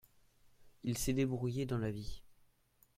Il s’est débrouillé dans la vie.